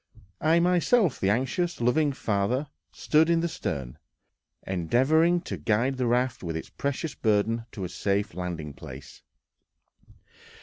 I myself, the anxious, loving father, stood in the stern, endeavoring to guide the raft with its precious burden to a safe landing place.